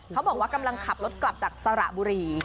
เขาบอกว่ากำลังขับรถกลับจากสระบุรี